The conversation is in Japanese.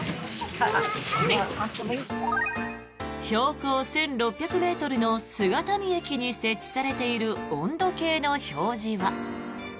標高１６００ｍの姿見駅に設置されている温度計の表示は。